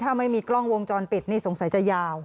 ถ้าไม่มีกล้องวงจรปิดนี่สงสัยจะยาว